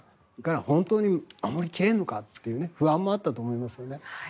本当に守り切れるのかという不安もあったと思いますね。